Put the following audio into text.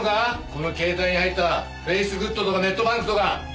この携帯に入ったフェイスグッドとかネットバンクとか分析出来る奴。